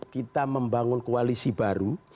kita membangun koalisi baru